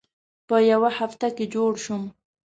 په یوه هفته کې جوړ شوم.